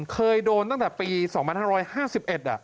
เคยโดนตั้งแต่ปี๒๕๕๑